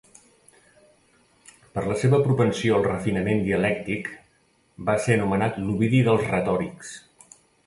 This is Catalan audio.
Per la seva propensió al refinament dialèctic va ser anomenat l'Ovidi dels retòrics.